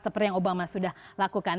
seperti yang obama sudah lakukan